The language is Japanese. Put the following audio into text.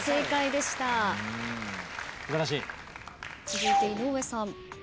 続いて井上さん。